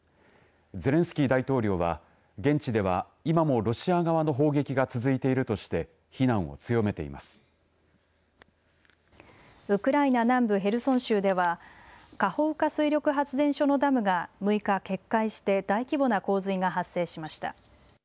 ゼレンスキー大統領は、現地では今もロシア側の砲が続いているとして、ウクライナ南部ヘルソン州ではカホウカ水力発電所のダムが６日決壊して大規模な洪水が発生しました。